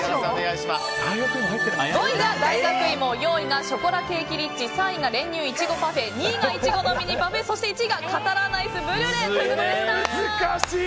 ５位が大学いも４位がショコラケーキリッチ３位が練乳いちごパフェ２位がいちごのミニパフェそして１位がカタラーナアイスブリュレ難しい！